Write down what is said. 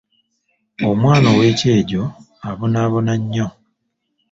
Omwana ow'ekyejo abonaabona nnyo.